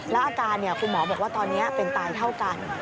และอาการเนี่ยขวาหมอบอกว่าตอนนี้เป็นตายเท่ากัน